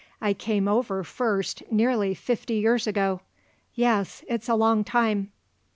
I came over first nearly fifty years ago. Yes; it's a long time."